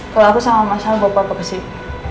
kalau aku sama masalah bawa papa ke sini